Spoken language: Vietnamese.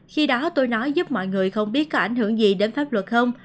khi đó tôi nói giúp mọi người không biết có ảnh hưởng gì đến pháp luật không